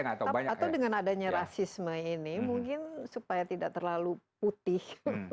atau dengan adanya rasisme ini mungkin supaya tidak terlalu putih